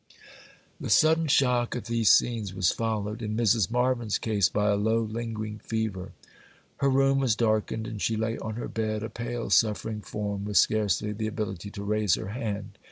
The sudden shock of these scenes was followed, in Mrs. Marvyn's case, by a low, lingering fever. Her room was darkened, and she lay on her bed, a pale, suffering form, with scarcely the ability to raise her hand.